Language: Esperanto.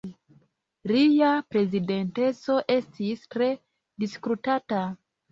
Lia prezidenteco estis tre diskutata.